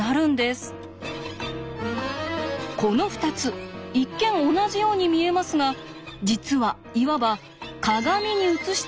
この２つ一見同じように見えますが実はいわば鏡に映した関係。